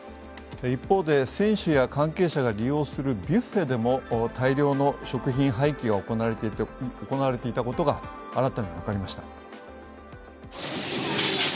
一方で選手や関係者が利用するビュッフェでも大量の食品廃棄が行われていたことが新たに分かりました。